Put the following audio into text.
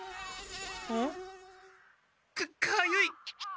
あ。かかゆい！